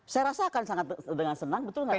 saya rasakan sangat dengan senang betul gak general